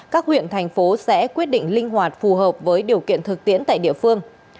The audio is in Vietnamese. các huyện thành phố sẽ quyết định linh hoạt phù hợp với điều kiện thực tiễn tại địa phương